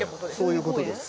そういうことです。